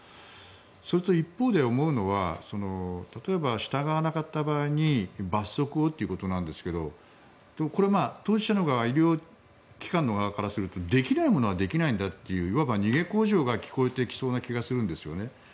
それと一方で思うのは例えば、従わなかった場合に罰則をということなんですけどこれ、当事者の側医療機関側からするとできないものはできないんだといういわば逃げ口上が聞こえてきそうな気がするんですよね。